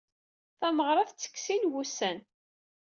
Tameɣra tettekk sin n wussan.